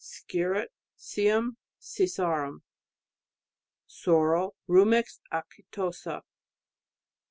Skirret Sium sisarum. Sorrel Rumex acetosa.